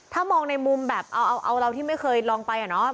ถ้ามองในมุมแบบเอาเราที่ไม่เคยลองไปอะเนาะ